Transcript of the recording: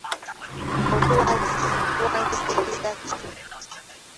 Oli wa zikiriza ki?